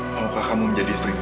maukah kamu menjadi istriku